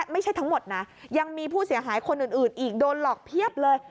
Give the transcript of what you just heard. ไม่ใช่ทั้งหมดนะยังมีผู้เสียหายคนอื่นอีกโดนหลอกเพียบเลย